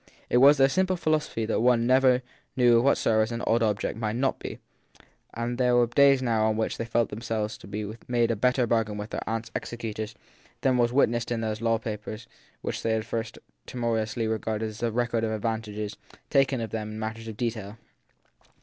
It was their simple philosophy that one never knew of what service an odd object might not be ; and there were days now on which they felt themselves to have made a better bargain with their aunt s executors than was witnessed in those law papers which they had at first timor ously regarded as the record of advantages taken of them in matters of detail.